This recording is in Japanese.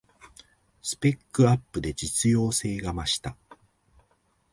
スペックアップで実用性が増した